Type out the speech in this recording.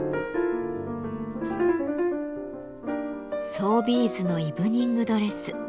総ビーズのイブニングドレス。